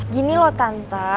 gini loh tante